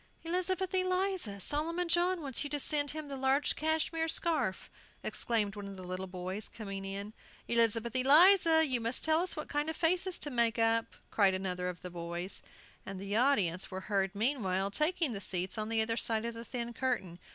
"Elizabeth Eliza! Solomon John wants you to send him the large cashmere scarf!" exclaimed one of the little boys, coming in. "Elizabeth Eliza! you must tell us what kind of faces to make up!" cried another of the boys. And the audience were heard meanwhile taking the seats on the other side of the thin curtain.